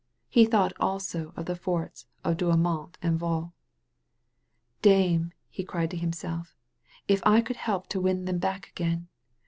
He thought also of the forts of Douaumont and Vaux. Darnel*^ he cried to himself. "If I could help to win them back again